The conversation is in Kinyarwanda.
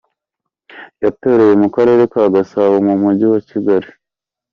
Yatoreye mu karere ka Gasabo mu mujyi wa Kigali.